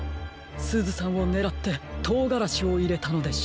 すずさんをねらってとうがらしをいれたのでしょう。